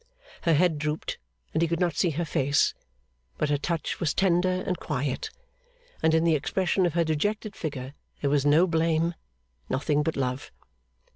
Her head drooped, and he could not see her face; but her touch was tender and quiet, and in the expression of her dejected figure there was no blame nothing but love.